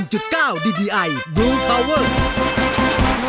หรอกได้ไข่ล้าง